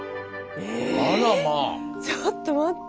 ええ⁉ちょっと待って。